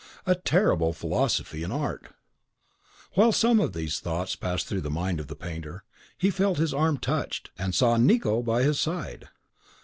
A terrible philosophy in art! While something of these thoughts passed through the mind of the painter, he felt his arm touched, and saw Nicot by his side.